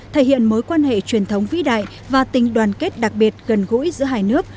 thể hiện mối quan hệ truyền thống vĩ đại và tình đoàn kết đặc biệt gần gũi giữa hai nước